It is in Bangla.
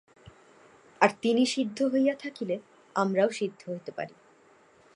আর তিনি সিদ্ধ হইয়া থাকিলে আমরাও সিদ্ধ হইতে পারি।